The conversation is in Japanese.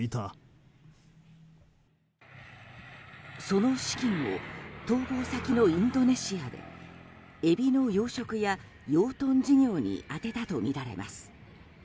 その資金を逃亡先のインドネシアでエビの養殖や養豚事業に充てたとみられます。